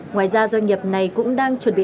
ngoài ra doanh nghiệp này cũng đang chuẩn bị